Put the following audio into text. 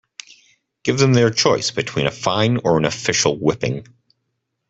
Give them their choice between a fine or an official whipping.